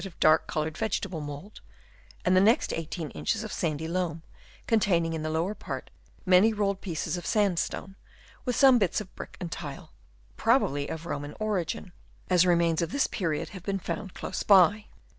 149 of dark coloured vegetable mould, and the next 18 inches of sandy loam, containing in the lower part many rolled pieces of saud stone, with some bits of brick and tile, probably of Roman origin, as remains of this period have been found close by.